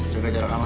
jaga jarak aman